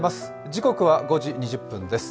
時刻は５時２０分です。